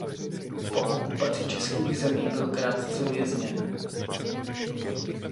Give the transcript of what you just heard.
Po okupaci českých zemí byl krátce vězněn.